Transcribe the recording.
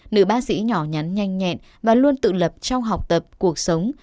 nữ bác sĩ nhỏ nhắn nhanh nhẹn và luôn tự lập trong học tập cuộc sống